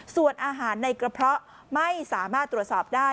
ส่วนอาหารในกระเพาะไม่สามารถตรวจสอบได้